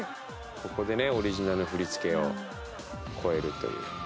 ここでねオリジナルの振り付けを超えるという。